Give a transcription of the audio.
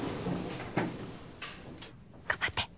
頑張って。